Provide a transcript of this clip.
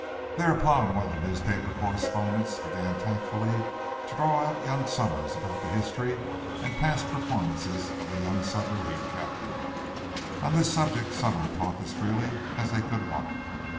Thereupon one of the newspaper correspondents began tactfully to draw out young Somers about the history and past performances of the young submarine captain. On this subject Somers talked as freely as they could want.